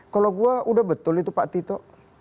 kalau gue udah betul itu pak tito